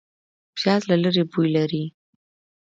پیاز له لرې بوی لري